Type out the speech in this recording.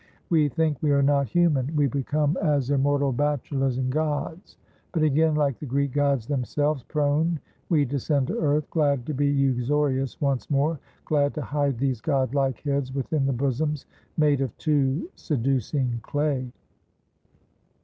We think we are not human; we become as immortal bachelors and gods; but again, like the Greek gods themselves, prone we descend to earth; glad to be uxorious once more; glad to hide these god like heads within the bosoms made of too seducing clay.